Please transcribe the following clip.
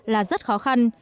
là rất khó khăn